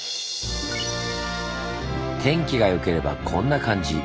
天気が良ければこんな感じ。